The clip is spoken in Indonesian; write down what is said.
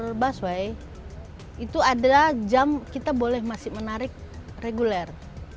kalau busway itu adalah jam kita boleh masih menarik reguler